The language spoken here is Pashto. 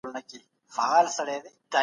سفیران څنګه د خبرو له لاري شخړي حلوي؟